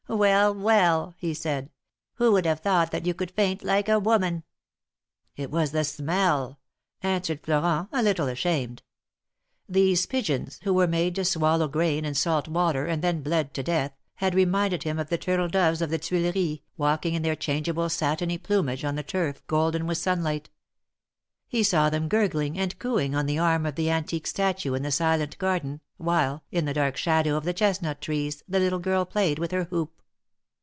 Well ! well ! he said, who would have thought that you could faint like a woman !" It was the smell,'' answered Florent, a little ashamed. These pigeons, who were made to swallow grain and salt water and then bled to death, had reminded him of the turtle doves of the Tuileries, walking in their changeable satiny plumage on the turf golden with sunlight. He saw them gurgling and cooing on the arm of the antique statue in the silent garden, while, in the dark shadow of the chestnut trees, the little girl played with her hoop.